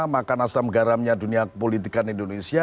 makan asam garamnya dunia politikan indonesia